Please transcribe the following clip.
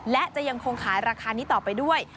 และจะยังคงขายราคานี้ต่อไปด้วย